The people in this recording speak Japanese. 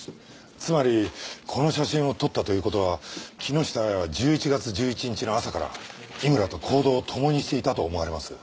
つまりこの写真を撮ったという事は木下亜矢は１１月１１日の朝から井村と行動を共にしていたと思われます。